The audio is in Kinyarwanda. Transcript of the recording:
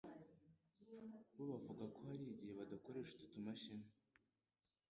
bo bavuga ko hari igihe badakoresha utu tumashini